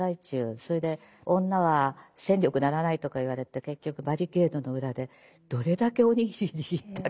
それで女は戦力にならないとか言われて結局バリケードの裏でどれだけお握り握ったか。